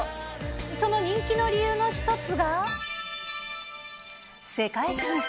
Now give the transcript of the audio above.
その人気の理由の一つが、世界進出。